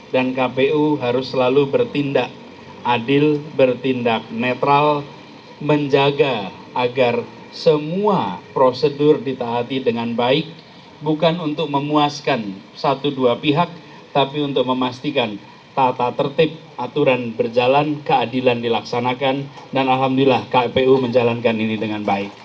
dan kpu harus selalu bertindak adil bertindak netral menjaga agar semua prosedur ditahati dengan baik bukan untuk memuaskan satu dua pihak tapi untuk memastikan tata tertib aturan berjalan keadilan dilaksanakan dan alhamdulillah kpu menjalankan ini dengan baik